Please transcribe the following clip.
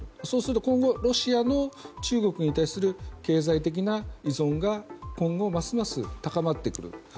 そうすると今後、ロシアの中国に対する経済的な依存が今後ますます高まってくる。